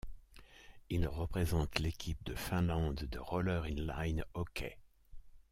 Il représente l'équipe de Finlande de Roller in line hockey.